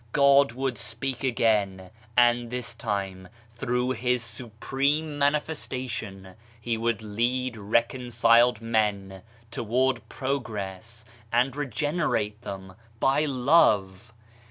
God would speak again, and this time, through His Supreme Manifesta tion, he would lead reconciled men toward progress, and regenerate them by love.